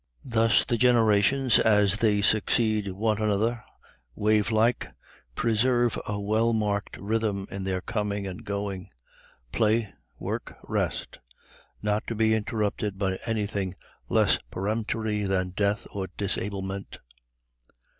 Thus the generations, as they succeed one another, wave like preserve a well marked rhythm in their coming and going play, work, rest not to be interrupted by anything less peremptory than death or disablement.